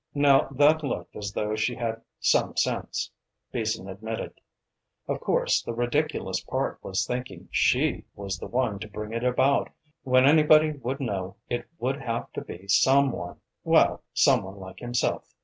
Now that looked as though she had some sense, Beason admitted. Of course the ridiculous part was thinking she was the one to bring it about, when anybody would know it would have to be some one well, some one like himself.